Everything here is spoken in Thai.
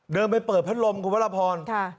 เดินไปเปิดพัดลมคุณพระราพร